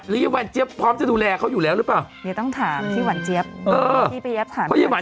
หรือเย้หวานเจี๊ยบพร้อมจะดูแลเขาอยู่แล้วหรือเปล่า